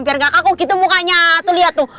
biar gak kaku gitu mukanya tuh lihat tuh